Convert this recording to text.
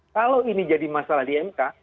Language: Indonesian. kalau ini jadi masalah di mk